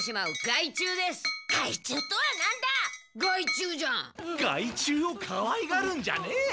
害虫をかわいがるんじゃねえ！